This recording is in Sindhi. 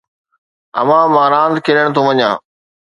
امان مان راند کيڏڻ ٿو وڃان.